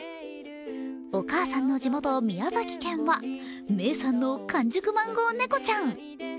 お母さんの地元・宮崎県は名産の完熟マンゴーネコちゃん。